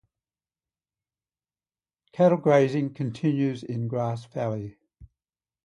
Cattle grazing continues in Grass Valley.